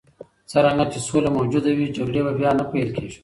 څرنګه چې سوله موجوده وي، جګړې به بیا نه پیل کېږي.